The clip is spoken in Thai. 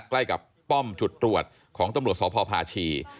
ใกล้กับป้อมจุดตรวจของตำรวจสพพาชี